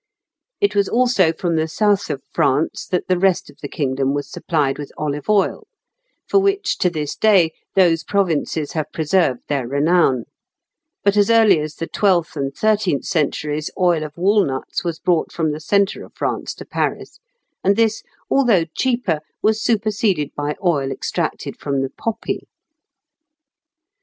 It was also from the south of France that the rest of the kingdom was supplied with olive oil, for which, to this day, those provinces have preserved their renown; but as early as the twelfth and thirteenth centuries oil of walnuts was brought from the centre of France to Paris, and this, although cheaper, was superseded by oil extracted from the poppy.